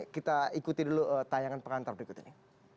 kita ikuti dulu tayangan pengantar berikut ini